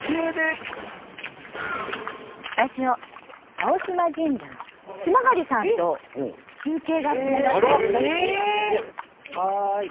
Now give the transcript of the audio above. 青島神社の津曲さんと中継がつながっていますので。